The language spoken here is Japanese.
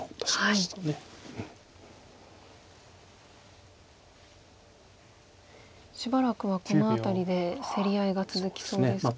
しばらくはこの辺りで競り合いが続きそうですか。